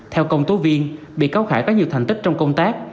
theo công tố viên bị cáo khải có nhiều thành tích trong công tác